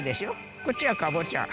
こっちはかぼちゃ